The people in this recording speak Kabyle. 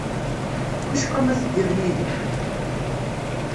Wicqa ma teddiḍ yid-i?